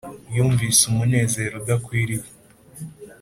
yumvise umunezero udakwiriye,